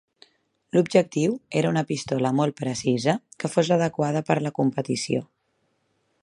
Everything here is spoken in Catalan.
L'objectiu era una pistola molt precisa que fos adequada per la competició.